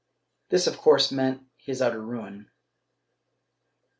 This of course meant his utter ruin.